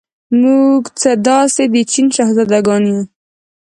موږ څه داسې د چین شهزادګان یو.